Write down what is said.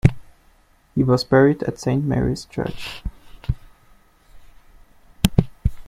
He was buried at Saint Mary's Church.